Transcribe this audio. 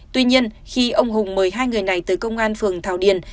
tuy nhiên khi ông hùng mời hai người này tới công an phường thảo điền